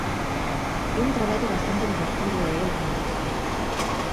É un traballo bastante divertido e é o que me gusta.